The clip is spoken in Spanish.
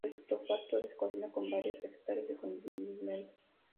El estofado se cocina con varios vegetales y condimentos.